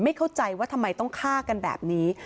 เข้าใจว่าทำไมต้องฆ่ากันแบบนี้